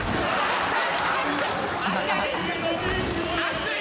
熱い！